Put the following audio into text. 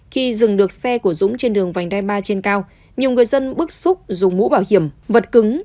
khi dừng được xe của dũng trên đường vành đai ba trên cao nhiều người dân bức xúc dùng mũ bảo hiểm vật cứng